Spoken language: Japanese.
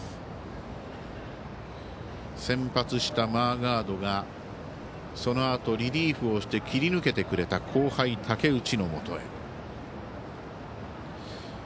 先発したマーガードがそのあとリリーフをして切り抜けてくれた後輩、武内のもとへ。